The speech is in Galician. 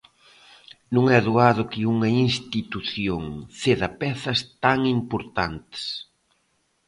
Non é doado que unha institución ceda pezas tan importantes.